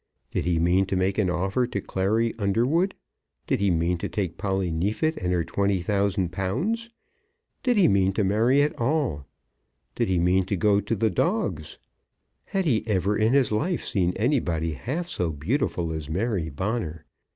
Did he mean to make an offer to Clary Underwood? Did he mean to take Polly Neefit and her £20,000? Did he mean to marry at all? Did he mean to go to the dogs? Had he ever in his life seen anybody half so beautiful as Mary Bonner?